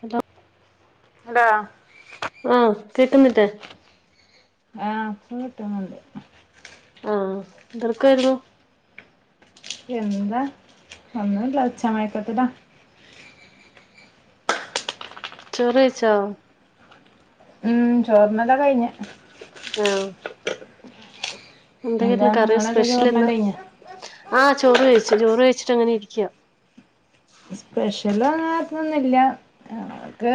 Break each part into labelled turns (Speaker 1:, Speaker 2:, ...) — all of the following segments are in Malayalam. Speaker 1: ഹട്ടോ
Speaker 2: ഇന്താ
Speaker 1: ആഹ കിട്ടുന്നിട്ടേ
Speaker 2: ആഹ് കിട്ട്ുന്നുണ്ട്
Speaker 1: ആഹ എന്തൊൊക്കൊയിരുന്നു
Speaker 2: എന്താ ഒന്നല്ല വച്ചാ മയക്കത്തിട്ടാ
Speaker 1: ചെറിയിച്ചോ
Speaker 2: ഉം ചോർണതാ കഴിഞ്ഞ
Speaker 1: ആഹ
Speaker 2: എന്താ
Speaker 1: എന്തൊക്കെയുന്ന കറിയ
Speaker 2: നിങ്ങളൊക്കെ
Speaker 1: സ്പെഷ്യൽ
Speaker 2: ചോറിനല്
Speaker 1: എന്നാ
Speaker 2: കഴിഞ്ഞോ
Speaker 1: ആ ചോറ് കഴിച് ചോറ് കഴിച്ചിട്ട അങ്ങനെ ഇരിക്ക
Speaker 2: സ്പെഷ്യല് അങ്ങോന്നില്ല ആഹ് ആഹ്ആ നക്ക്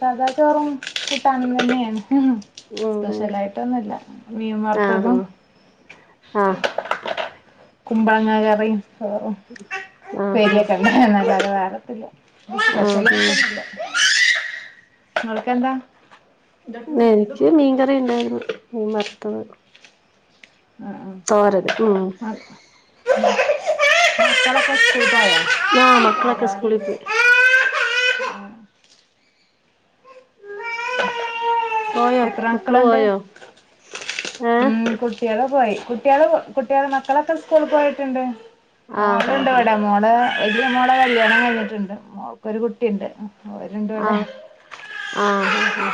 Speaker 2: സദാ ചോറും കൂട്ടാനും വന്നെയാണ് ഉംഹ്
Speaker 1: ഉം ഉം
Speaker 2: സ്പെഷ്യലായിട്ടൊന്നുമില്ല
Speaker 1: ആഹ്
Speaker 2: മീൻവറുത്തതും
Speaker 1: ആഹ്
Speaker 2: കുമ്പളങ്ങ കറിയും ഓഹ്
Speaker 1: ആഹ്
Speaker 2: പരിയ വരുവാ ശനി
Speaker 1: ആഹ് ആഹ്
Speaker 2: ആായിക്കല്ല നങള്ക്കെന്താ
Speaker 1: ഇന്നെനിക്ക് മീൻകറി ഉണ്ടായിരുന്നു മീൻ വറുത്തത്
Speaker 2: ആഹ്
Speaker 1: തോറത് ഉംഹ്
Speaker 2: ആഹ് [inaudible]
Speaker 1: ആഹ്ആ മക്കളൊക്കെ സ്കൂളി പോയി
Speaker 2: ആഹ് ആഹ്ആ [unintelligible]
Speaker 1: പോയോ
Speaker 2: എത്ര
Speaker 1: മക്കള്
Speaker 2: മക്കളുണ്ട്
Speaker 1: പോയോ ഏഹ്
Speaker 2: ഉം കുട്ടികള് പോയി കുട്ടിയേള് കുട്ടിയേള് മക്കളൊക്കെ സ്കൂളിൽ പോയിട്ടുണ്ട്
Speaker 1: ആഹ്
Speaker 2: മോളുണ്ട്
Speaker 1: ആഹ്
Speaker 2: വിട മോള് എഹ് മോളെ കല്യാണം കഴിഞ്ഞിട്ടുണ്ട് മോൾക്ക ഒരു കുട്ടിയുണ്ട് അവരുണ്ട് ഇവിടെ
Speaker 1: ആഹ് ആഹ്ആ ആഹ് ആഹ്ആ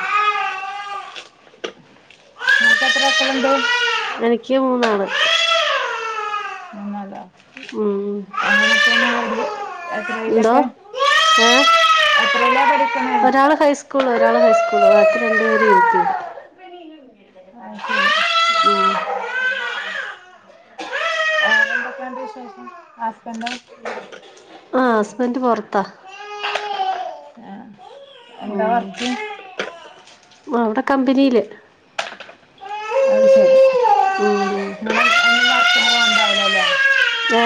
Speaker 2: ഇങ്ങക്ക് എത്ര മക്കള് ണ്ട്
Speaker 1: എനിക്ക് മൂന്നാണ്
Speaker 2: മൂന്നാളോ
Speaker 1: ആഹ്ആ ഏഹ്
Speaker 2: ഇപ്പ
Speaker 1: ഒരാള് ഹൈസ്കൂള് ഒരാള് ഹൈസ്കൂള് രണ്ട് പേര് യുപി
Speaker 2: ആഹ്
Speaker 1: മ്മ്ഹ്
Speaker 2: അർക്കണ്ട
Speaker 1: ആഹ്ആ അസ്ബൻ്റ് പൊറുത്താ
Speaker 2: ആ എന്താ പറഞ്ഞേ ഏഹ്
Speaker 1: ആഹ്ആ അവിടെ കമ്പനില്
Speaker 2: അത് ശരി
Speaker 1: ഉം ഉം
Speaker 2: നിങ്ങള് അന്ന് വർക്കിന് പോണ്ടാവില്ലല്ലേ
Speaker 1: ആ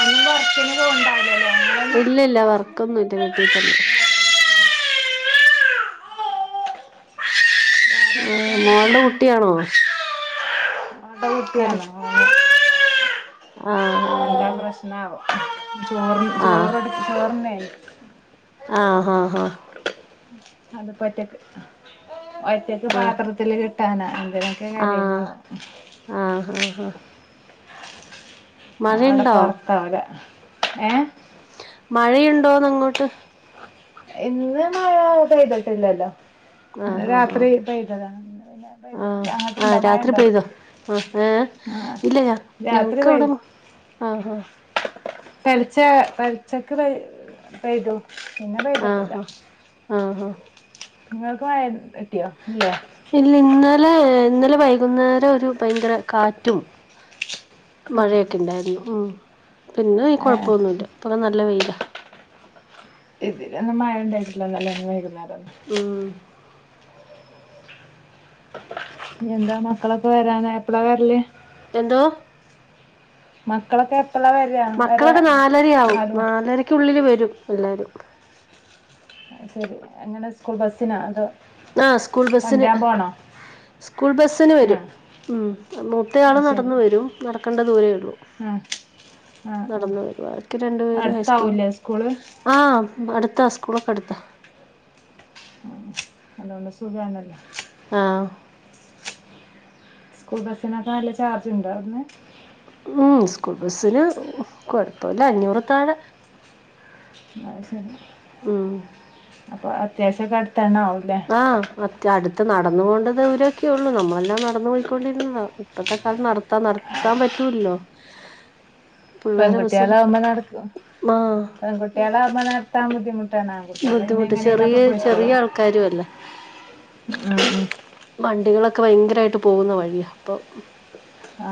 Speaker 2: അന്ന് വർക്കിന് പോണ്ടാവില്ലല്ലേ നിങ്ങളൊന്നും
Speaker 1: ഇല്ല ഇല്ല വർക്കൊന്നും ഇല്ല വീട്ടിൽ തന്നെ
Speaker 2: വേറെ
Speaker 1: ആ
Speaker 2: എന്തൊക്കെയാണ്
Speaker 1: മോളുടെ
Speaker 2: വിശേഷം
Speaker 1: കുട്ടി ആണോ
Speaker 2: ഓളെ കുട്ട്യാണ് ഓളെ
Speaker 1: ആ
Speaker 2: പ്രശ്‌നാവ
Speaker 1: ആ
Speaker 2: ചോറ്
Speaker 1: ആ ആ
Speaker 2: അത് പഒറ്റക്ക് ഒറ്റക്ക് പാത്രത്തിൽ കിട്ട ട്ടാന [unintelligible]
Speaker 1: ആഹ ആഹ് ആഹ് ആഹ [unintelligible]
Speaker 2: ഞാൻ ഇവടെ പറത്താവല ഏ
Speaker 1: മഴയുണ്ടോന്ന് അങ്ങോട്ട്?
Speaker 2: ഇന്ന് മഴ പെയ്തിട്ടില്ലല്ലോ ഇന്നലെ
Speaker 1: ആഹ ഹഹ്
Speaker 2: രാത്രി പെയ്തതാണ് ഇന്ന് പിന്നെ
Speaker 1: ആഹ
Speaker 2: പെയ്തിട്ടില്ല
Speaker 1: ആഹ ആഹ
Speaker 2: അങ്ങോട്ടുണ്ടോ മഴ
Speaker 1: രാത്രി
Speaker 2: ഉണ്ടോ
Speaker 1: പെയ്തോ? ആഹ ഏ
Speaker 2: ആ
Speaker 1: ഇല്ല
Speaker 2: രാത്രി
Speaker 1: ഞങ്ങക്ക്വിടെ ആഹ് ആഹ
Speaker 2: പലിച്ച പരിച്ചക്ക് പയ്തു
Speaker 1: ആഹ ഹഹ ആഹ ഹഹ [unintelligible] ആ [inaudible]
Speaker 2: ഇങ്ങൾക്ക് മയ
Speaker 1: ഇല്ല ഇന്നലെ ഇന്നലെ വൈകുന്നേരം ഒരു ഭയങ്കര കാറ്റും
Speaker 2: ആ,
Speaker 1: മഴയൊക്കെ ഇണ്ടായിരുന്നു ഉ പിന്നെ ഈ
Speaker 2: ഏ,
Speaker 1: കൊഴപ്പൊന്നു ഇല്ല ഇപ്പൊ നല്ല വെയിലാ
Speaker 2: ഇതി മഴ ഉണ്ടായിട്ടില്ലന്നല്ല വൈകുന്ന [unintelligible]
Speaker 1: ഉം
Speaker 2: എന്താ മക്കളൊക്കെ വരാനായപ്പഴാ വെര്ൽ
Speaker 1: എന്തോ?
Speaker 2: മക്കളൊക്കെ എപ്പോഴാ വരാ വരാ
Speaker 1: മക്കളൊക്കെ നാലരയാവും
Speaker 2: നാല് മണി
Speaker 1: നാലരക്കുള്ളില് വരും എല്ലാരും
Speaker 2: ശരി അങ്ങനെ സ്കൂൾ ബസ്സിനാ അതോ?
Speaker 1: ആ സ്കൂൾ ബസിന്
Speaker 2: കൊണ്ടുവരാൻ പോണോ
Speaker 1: സ്കൂൾ ബസിന്
Speaker 2: ആ
Speaker 1: വരും ഉം മൂത്ത ആള്
Speaker 2: ആ ശരി
Speaker 1: നടന്ന് വരും നടക്കണ്ട ദൂരേഉള്ളൂ
Speaker 2: ആ ആ ആ
Speaker 1: നടന്ന് വരും ബാക്കി രണ്ടുപേരും ഹൈസ്കൂൾ
Speaker 2: അടുത്താവൂലേ സ്കൂള്
Speaker 1: ആ അടുത്ത കൂൾക്കെ അടുതാ
Speaker 2: അതോണ്ട് സുഖാണല്ലോ
Speaker 1: ആഹ്
Speaker 2: സ്കൂൾ ബസിനക്കനല്ല ചാർജ് ഇണ്ടോ അവിടെന്ന്
Speaker 1: ഉം സ്കൂൾ ബസിന് കൊഴപ്പല്ല അഞ്ഞൂറൊക്കെ ആണ്
Speaker 2: അത് ശരി
Speaker 1: ഉം
Speaker 2: അപ്പൊ അത്യാവശ്യം ക
Speaker 1: ആ അ അടുത്ത് നടന്നുകൊണ്ട് ള്ള ദുരക്കൊ ഉള്ളൂ നമ്മൾക്ക് ല്ലാം നടന്നു പോയിക്കൊണ്ടിരുന്നതോ ഇപ്പത്തെ കാലം നടത്താ നടത്താൻ പറ്റൂല്ലോ പിള്ളേരെ ബസ്സില്
Speaker 2: പെൺകുട്ടികാലാവകുമ്പോ നടക്കും
Speaker 1: ആഹ്
Speaker 2: പെൺകുട്ടികാലാവകുമ്പ നടത്താൻ ബുദ്ധി
Speaker 1: ബുദ്ധിമുട്ട് ചെറിയ ചെറിയ ആൾക്കാരു അല്ലേ
Speaker 2: ഉം ഉം.
Speaker 1: വണ്ടികളൊ ക്കെ ഭയങ്കരായിട്ട് പോകുന്ന വഴിയാ അപ്പൊം
Speaker 2: ആ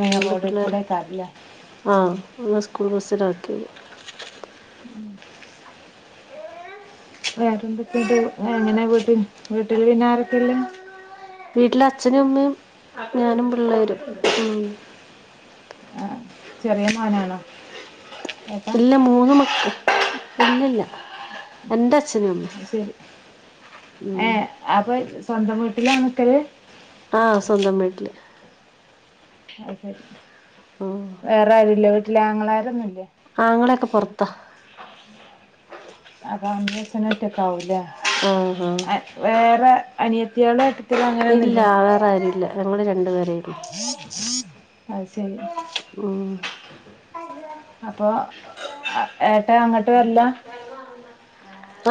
Speaker 2: മെയിൻറോഡ് കൂടെക്കാരംല്ലേ
Speaker 1: ആഹ് ഒന്ന് സ്കൂൾ ബസ്സിലാക്കിയത്
Speaker 2: ഉം വേറെന്തൊക്കെണ്ട് എങ്ങനെ വീട്ടില് വീട്ടില് പിന്നാരക്കെള്ളെ
Speaker 1: വീട്ടില് അച്ഛനും അമ്മേം ഞാനും പിള്ളേരും ഉം
Speaker 2: ആ, ചെറിയ മൊനാണോ
Speaker 1: ഇല്ല മൂന്ന് മക്കൾ ഇല്ല ഇല്ല എന്താ
Speaker 2: ശെരി ഏ
Speaker 1: ഉം
Speaker 2: അപ്പൊ സ്വന്തംവീ ഇല്ലാ നമുക്ക്
Speaker 1: ആ സ്വന്തം വീട്ടില്
Speaker 2: അക്ക [unintelligible]
Speaker 1: ആഹ്
Speaker 2: വേറാരുല്ലെ വീ അല്ലാ ആങ്ങളാരൊന്നുംല്ലേ
Speaker 1: ആങ്ങളൊക്കെ പൊറത്താ
Speaker 2: [unintelligible] ക്കാവൂലേ
Speaker 1: ആഹ് ആഹ്
Speaker 2: അ വേറെ അനിയ
Speaker 1: ഇല്ല വേറാരുല്ല ഞങ്ങള് രണ്ട്പേര് പേരേ ഉള്ളൂ
Speaker 2: ഐശെരി
Speaker 1: ഓ
Speaker 2: അപ്പൊ ഏട്ടാ അങ്ങട്ട് വര്ല്ലാ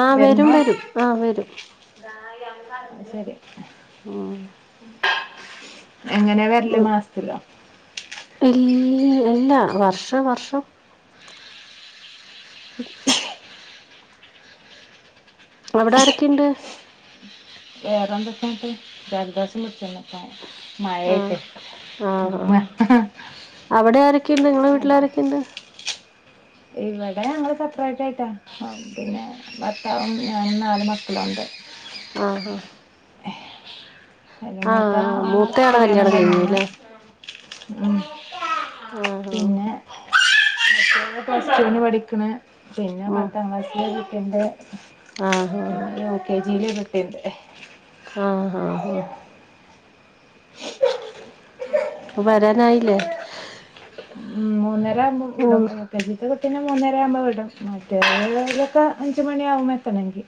Speaker 1: ആ വരും വരും ആ വരും
Speaker 2: ശെരി
Speaker 1: ഉംഹ്
Speaker 2: എങ്ങനാ വര്ല് മാസത്തിലോ
Speaker 1: ഇൽ ഇല്ല വർഷം വർഷം അവിടെ ആരക്കെണ്ട്
Speaker 2: ഏതാണ്ടൊക്കായിട്ട് ജൽദോഷം പിടിച്ച്ണ്
Speaker 1: ആ ആ ആ
Speaker 2: തുമ്മ
Speaker 1: അവിടെ ആരൊക്കെണ്ട് ഇങ്ങളെ
Speaker 2: അതെ
Speaker 1: വീട്ടിലാരൊക്കെണ്ട്
Speaker 2: ഇവിടെ ഞങ്ങള് സപ്രേറ്റായിട്ടാ പിന്നെ ഭർത്താവും ഞാനും നാല് മക്കളുണ്ട്
Speaker 1: ആഹ ഹാ
Speaker 2: അയ്ന് മൂത്ത ആളെ
Speaker 1: മൂത്തയാളെ
Speaker 2: കല്യാണം കഴിഞ്ഞണ്ണ്.
Speaker 1: കഴിഞ്ഞുല്ലേ
Speaker 2: ഉം
Speaker 1: ആഹ്
Speaker 2: പിന്നെ
Speaker 1: ആഹ്
Speaker 2: [inaudible] പ്ലസ് ടൂ ന് പഠിക്ക്ണ്. പിന്നെ പത്താം ക്ലാസിൽ ഒരു ട്ടിണ്ട്
Speaker 1: ആ ഹാ
Speaker 2: ജീ ല് ഒരു കുട്ടിണ്ട്.
Speaker 1: ആഹ്, ഹാ, ഹാ ഇപ്പ വരാനായി ലേ
Speaker 2: ഉം മൂന്നര ആവുമ്പോ വിടും യുകെജി ത്തെ പിന്നെ മൂന്നര ആവുമ്പോ വിടും [unintelligible] അഞ്ച് മണിയാവും എത്തണങ്കി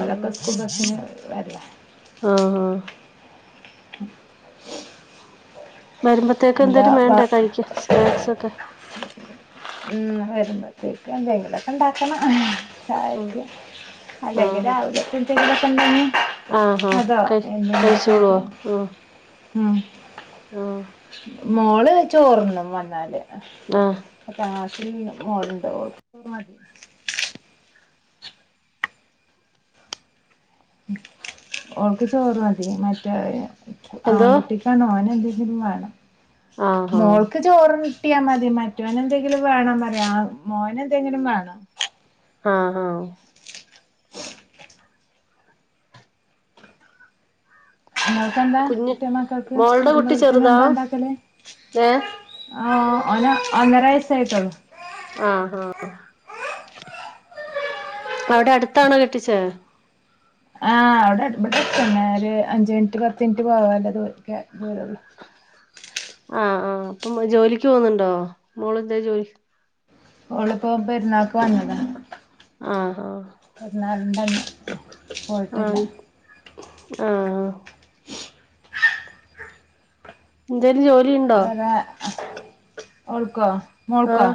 Speaker 2: ഓലൊക്കെ സ്കൂൾ ബസ്സിന് വരലാ
Speaker 1: ആഹ് ആഹ് വരുമ്പത്തേക്ക്
Speaker 2: എന്താ
Speaker 1: എന്തേരും വേണ്ടേ
Speaker 2: വ-
Speaker 1: കഴിക്ക, സ്നാക്സ് ഒക്കെ
Speaker 2: വരുമ്പത്തേക്ക് എന്തെങ്കിലൊക്കെ ഇണ്ടാക്കണം
Speaker 1: ആഹ്
Speaker 2: ചായക്ക് അല്ലെങ്കി
Speaker 1: ആഹ്
Speaker 2: രാവിലെത്തെ എന്തെങ്കിലും ഒക്കെ
Speaker 1: ആഹ്
Speaker 2: [inaudible]
Speaker 1: ആഹ്
Speaker 2: അതോ
Speaker 1: കഴി
Speaker 2: എന്തെങ്കിലും ഒക്കെ
Speaker 1: കഴിച്ചോളോ
Speaker 2: ആയിട്ട്
Speaker 1: ആഹ്
Speaker 2: ഉം
Speaker 1: ആഹ്
Speaker 2: മോള് ചോർ തിന്നും വന്നാൽ
Speaker 1: ആഹ്
Speaker 2: അ പിന്നെ മോര് ഉണ്ടാവും ഓൾക്ക് ചോറും മതി മറ്റേ
Speaker 1: എന്തോ
Speaker 2: ആൺകുട്ടിക്കാണ് ഓന് എന്തെങ്കിലും ലും മാണം
Speaker 1: ആഹ് ആഹ്
Speaker 2: മോൾക്ക് ചോർ കട്ടിയാ മതി മറ്റോന് എന്തെങ്കിലും വേണ പറയാ മോന എന്തെങ്കിലും വേണ
Speaker 1: ആഹ ഹഹ
Speaker 2: മോൾക് എന്താ
Speaker 1: കുഞ്ഞ്
Speaker 2: മറ്റേ മക്കൾക്ക്
Speaker 1: മോൾടെ കുട്ടി
Speaker 2: വരുമ്പോഴത്തെ
Speaker 1: ചെറുതാ
Speaker 2: എന്താ ഉണ്ടാക്കല്
Speaker 1: ഏഹ്
Speaker 2: ആ ഓന് ഒന്നര വയസ്സ് ആയിട്ടുള്ളു
Speaker 1: ആഹഹാ അവിടെ അടുത്താണോ കെട്ടിച്ചേ
Speaker 2: ആഹ് അവിടെ ഇവിടെഅടുത്ത് തന്നെ ഒരു അഞ്ചു മിനിറ്റ് പത്ത് മിനിറ്റ് പോവാനുള്ള ക്യാപ്പ്ദൂരള്ളു
Speaker 1: ആഹ ആഹ് അപ്പം ജോലിക്ക് പോന്നുന്നുണ്ടോ മോള്ന്താ ജോലി
Speaker 2: ഓളിപ്പോ പെരുന്നാക്ക് വന്നതാ
Speaker 1: ആഹഹ
Speaker 2: ടൺ കോളിട്ടിയില്ല
Speaker 1: ആഹ ആ എന്തെലും ജോലി ഉണ്ടോ
Speaker 2: വേറെ ഓൾക്കോ മോൾക്കോ
Speaker 1: ആഹ്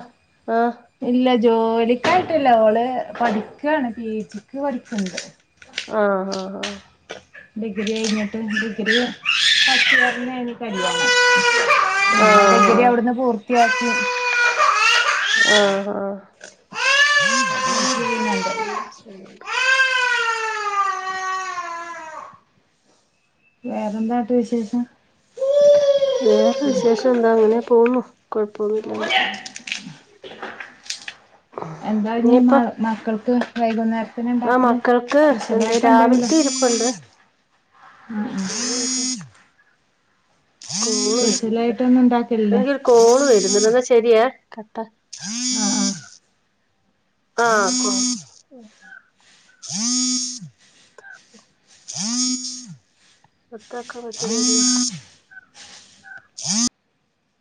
Speaker 1: ആഹ്
Speaker 2: ഇല്ല ജോലിക്കായിട്ടില്ല ഓള് പഠിക്കാണ് പി ജിക്ക് പഠിക്കിണ്ട്
Speaker 1: ആഹ ആഹ ആഹ
Speaker 2: ഡിഗ്രി കഴിഞ്ഞിട്ട് ഡിഗ്രി കഴിഞ്ഞു പിന്നെ എനിക്ക് അലുവ പിന്നെ
Speaker 1: ആഹ്
Speaker 2: ഡിഗ്രി അവിടുന്ന് പൂർ യാക്കി
Speaker 1: ആഹ ആഹ
Speaker 2: പി ജി ചെയ്യുന്നുണ്ട്
Speaker 1: [inaudible] [inaudible]
Speaker 2: വേറെന്താട്ട് വിശേഷം
Speaker 1: വേറെ വിശേഷം എന്താ അങ്ങനെ പോന്നു കൊഴപ്പൊന്നും ഇല്ലാണ്ട്
Speaker 2: എന്താ ഇനി മ
Speaker 1: ഇനിയിപ്പ
Speaker 2: മക്കൾക്ക് വൈകുന്നേര
Speaker 1: ആ മക്കൾക്ക് എന്ത്
Speaker 2: എന്തെങ്കിലും
Speaker 1: രാവിലത്തെ ഇരിപ്പുണ്ട്
Speaker 2: ഉം ഉം
Speaker 1: [inaudible] കോള് വരുന്നുണ്ട്
Speaker 2: സ്പെഷ്യലായിട്ടൊന്നും ഉണ്ടാക്കലില്ലേ?
Speaker 1: എനിക്കൊരു കോള് വരുന്നുണ്ട് എന്നാ ശരിയ കട്ട
Speaker 2: ആഹ ആ
Speaker 1: ആഹ [unintelligible]